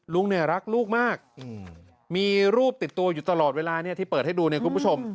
ลุงเนี่ยรักลูกมากมีรูปติดตัวอยู่ตลอดเวลาที่เปิดให้ดูเนี่ยคุณผู้ชม